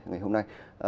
ngày hôm nay